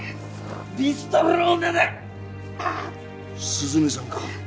涼音さんか？